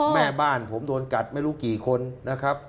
แม่บ้านผมโดนกัดไม่รู้กี่คนนะครับ